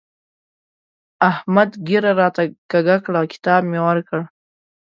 احمد ږيره راته کږه کړه؛ کتاب مې ورکړ.